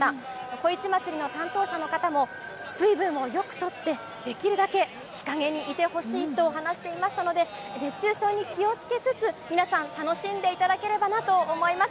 こいち祭の担当者の方も、水分をよくとって、できるだけ日陰にいてほしいと話していましたので、熱中症に気をつけつつ、皆さん、楽しんでいただければなと思います。